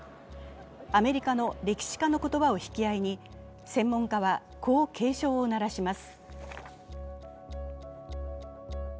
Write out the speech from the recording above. アメリカの歴史家の言葉を引き合いに専門家はこう警鐘を鳴らします。